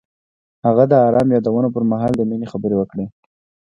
هغه د آرام یادونه پر مهال د مینې خبرې وکړې.